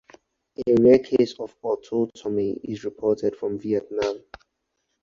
A rare case of autotomy is reported from Vietnam.